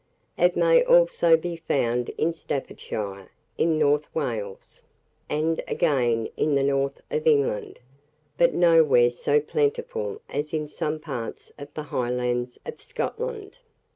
It may also be found in Staffordshire, in North Wales, and again in the north of England; but nowhere so plentiful as in some parts of the Highlands of Scotland.